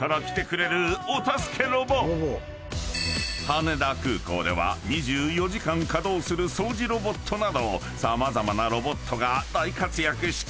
［羽田空港では２４時間稼働する掃除ロボットなど様々なロボットが大活躍しているのだが］